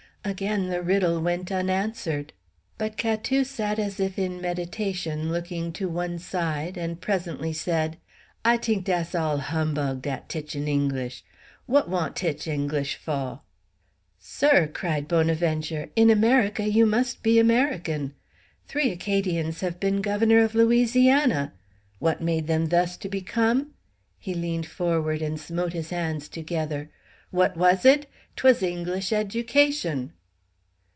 Again the riddle went unanswered; but Catou sat as if in meditation, looking to one side, and presently said: "I t'ink dass all humbug, dat titchin' English. What want titch English faw?" "Sir," cried Bonaventure, "in America you mus' be American! Three Acadians have been governor of Louisiana! What made them thus to become?" He leaned forward and smote his hands together. "What was it? 'Twas English education!"